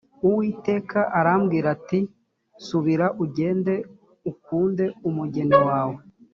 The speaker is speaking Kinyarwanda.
uwiteka arambwira ati subira ugende ukunde umugeni wawe